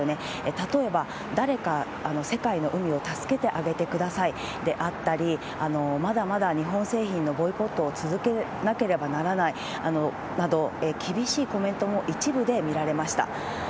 例えば誰か世界の海を助けてあげてくださいであったり、まだまだ日本製品のボイコットを続けなければならないなど、厳しいコメントも一部で見られました。